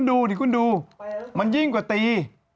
เดี๋ยวคุณดูมันยิ่งกว่าตี